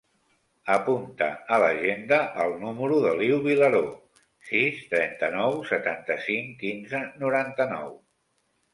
Apunta a l'agenda el número de l'Iu Vilaro: sis, trenta-nou, setanta-cinc, quinze, noranta-nou.